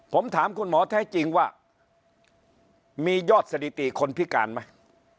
ผมถามคุณหมอแท้จริงว่ามียอดสถิติคนพิการไหม